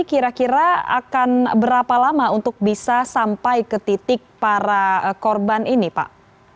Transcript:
kira kira akan berapa lama untuk bisa sampai ke titik para korban ini pak